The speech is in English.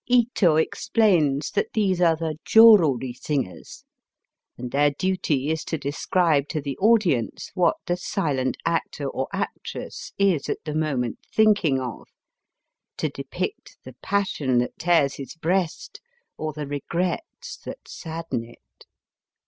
Ito explains that these are the Joruri singers, and their duty is to describe to the audience what the silent actor or actress is at the moment thinking of, to depict the passion that tears his breast, or the regrets that sad den it.